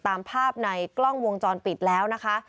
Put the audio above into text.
ตามภาพในกล้องวงจรปิดแล้วนะคะ